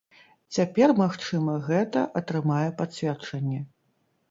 Цяпер, магчыма, гэта атрымае пацверджанне.